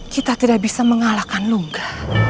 kita tidak bisa mengalahkan lungga